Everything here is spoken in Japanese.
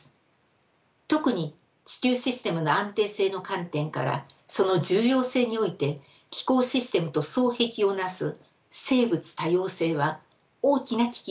特に地球システムの安定性の観点からその重要性において気候システムと双璧を成す生物多様性は大きな危機にあります。